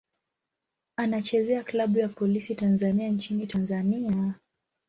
Anachezea klabu ya Polisi Tanzania nchini Tanzania.